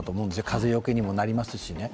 風よけにもなりますしね。